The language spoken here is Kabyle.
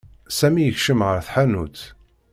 Sami yekcem ar tḥanutt.